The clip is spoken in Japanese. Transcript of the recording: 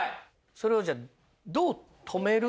それをじゃあどう止めるのか？